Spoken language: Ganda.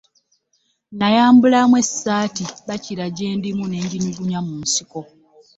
Nayambulamu essaati bakira gye ndimu ne nginyugunya mu nsiko.